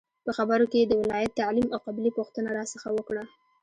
په خبرو کې یې د ولایت، تعلیم او قبیلې پوښتنه راڅخه وکړه.